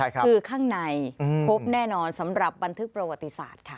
คือข้างในพบแน่นอนสำหรับบันทึกประวัติศาสตร์ค่ะ